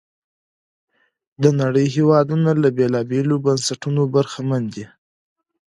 د نړۍ هېوادونه له بېلابېلو بنسټونو برخمن دي.